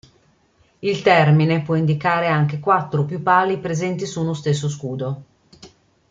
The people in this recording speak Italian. Il termine può indicare anche quattro o più pali presenti su uno stesso scudo.